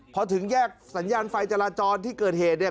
พอถึงแยกสัญญาณไฟจราจรที่เกิดเหตุเนี่ย